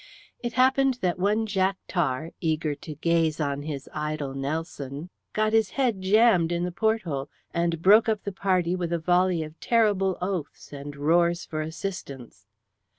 It happened that one Jack Tar, eager to gaze on his idol Nelson, got his head jammed in the port hole, and broke up the party with a volley of terrible oaths and roars for assistance.